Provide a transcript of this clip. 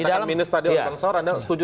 dikatakan minis tadi orang orang setuju